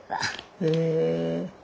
へえ。